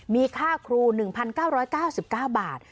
มีค่าครู๑๙๙๙บาท